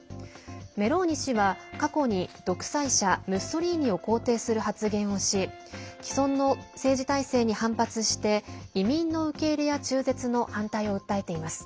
メローニ氏は過去に独裁者ムッソリーニを肯定する発言をし既存の政治体制に反発して移民の受け入れや中絶の反対を訴えています。